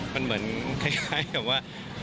มันเหมือนคล้ายเหมือนว่า